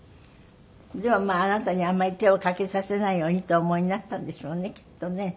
でもまああなたにあまり手をかけさせないようにとお思いになったんでしょうねきっとね。